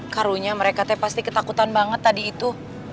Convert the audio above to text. karunya mereka tuh pasti ketakutan banget tadi itu